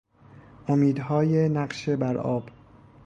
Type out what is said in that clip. امیدهای نقش برآب